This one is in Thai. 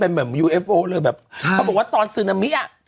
เมื่อเมื่อเมื่อชั่วโรคของพวกพวกมันเปลี่ยนคนที่สุดจริงประโยชน์อากาศนี้